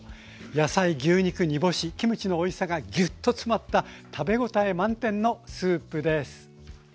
野菜牛肉煮干しキムチのおいしさがぎゅっと詰まった食べ応え満点のスープです。